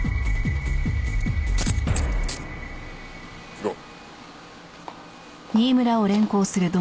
行こう。